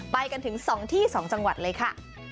ไปกันถึง๒ที่๒จังหวัดเลยค่ะ